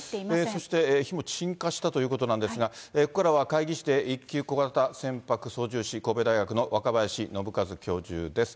そして、火も鎮火したということなんですが、ここからは海技士で１級小型船舶操縦士、神戸大学の若林伸和教授です。